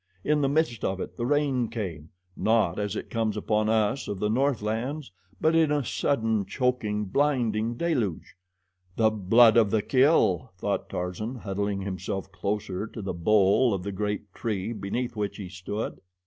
In the midst of it the rain came not as it comes upon us of the northlands, but in a sudden, choking, blinding deluge. "The blood of the kill," thought Tarzan, huddling himself closer to the bole of the great tree beneath which he stood.